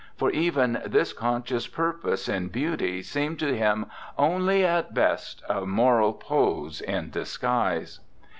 For even this conscious purpose in beauty seemed to him only, at best, a moral pose in disguise.